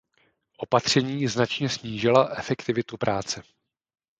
Opatření značně snížila efektivitu práce.